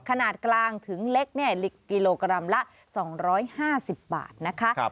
ขนาดกลางถึงเล็กกิโลกรัมละ๒๕๐บาทนะคะ